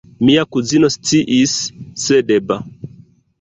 Mia kuzino sciis, sed ba!